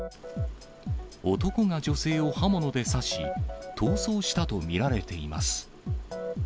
男が女性を刃物で刺し、逃走したと見られています。